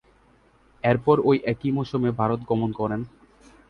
এরপর ঐ একই মৌসুমে ভারত গমন করেন।